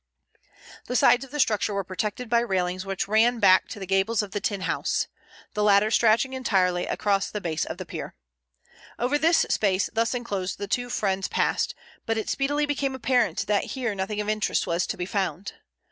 The sides of the structure were protected by railings which ran back to the gables of the tin house, the latter stretching entirely across the base of the pier. Over the space thus enclosed the two friends passed, but it speedily became apparent that here nothing of interest was to be found.